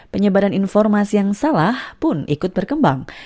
penyebaran informasi yang salah pun ikut berkembang